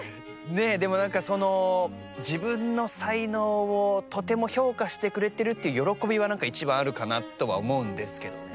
もなんかその自分の才能をとても評価してくれてるっていう喜びは一番あるかなとは思うんですけどね。